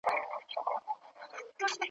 خدای د عقل په تحفه دی نازولی ,